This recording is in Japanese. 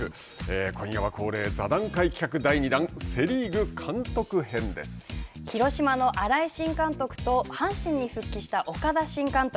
今夜は恒例座談会企画第二弾、広島の新井新監督と阪神に復帰した岡田新監督。